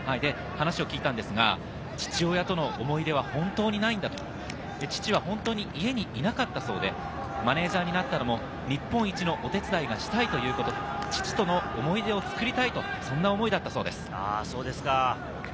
話を聞いたんですが、父親との思い出は本当にないんだと、父は本当に家にいなかったそうで、マネージャーになったのも日本一のお手伝いがしたいということ、父との思い出を作りたいと、そんな思いだったそうです。